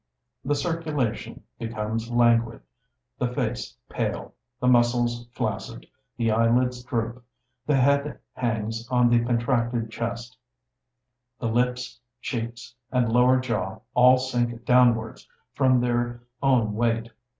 The circulation becomes languid; the face pale; the muscles flaccid; the eyelids droop; the head hangs on the contracted chest; the lips, cheeks, and lower jaw all sink downwards from their own weight.